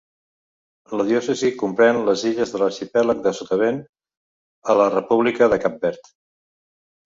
La diòcesi comprèn les illes de l'arxipèlag de Sotavent, a la república de Cap Verd.